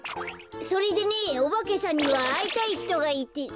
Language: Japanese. それでねオバケさんにはあいたいひとがいて。